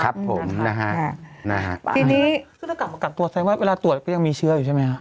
ถ้ากลับมากลับตัวใส่ไว้เวลาตรวจก็ยังมีเชื้ออยู่ใช่ไหมครับ